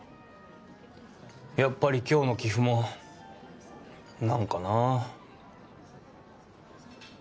やっぱり今日の棋譜も何かなぁ。